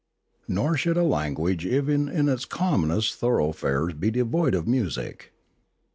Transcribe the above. Nor should a language even in its commonest thor oughfares be devoid of music.